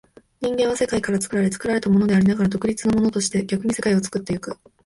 人間は世界から作られ、作られたものでありながら独立なものとして、逆に世界を作ってゆく。